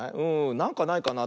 なんかないかな。